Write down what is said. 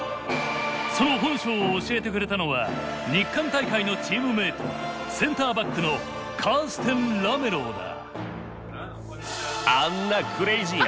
その本性を教えてくれたのは日韓大会のチームメートセンターバックのカーステン・ラメロウだ。